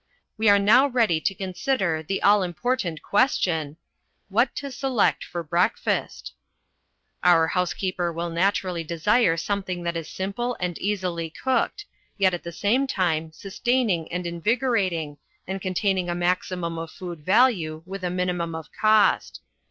We are now ready to consider the all important question WHAT TO SELECT FOR BREAKFAST Our housekeeper will naturally desire something that is simple and easily cooked, yet at the same time sustaining and invigorating and containing a maximum of food value with a minimum of cost.